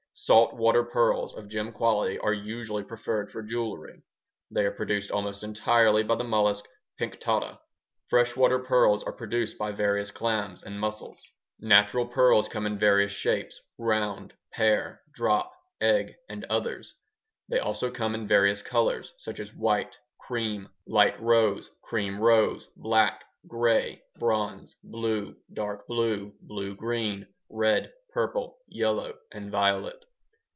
Salt water pearls of gem quality are usually preferred for jewelry; they are produced almost entirely by the mollusk Pinctada. Fresh water pearls are produced by various clams and mussels. Natural pearls come in various shapes: round, pear, drop, egg, and others. They also come in various colors, such as white, cream, light rose, cream rose, black, gray, bronze, blue, dark blue, blue green, red, purple, yellow, and violet.